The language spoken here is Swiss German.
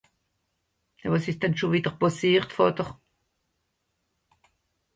Ja, wàs ìsch denn schùn wìdder pàssiert, Vàter ?